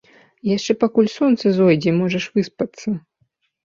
Яшчэ пакуль сонца зойдзе, можаш выспацца.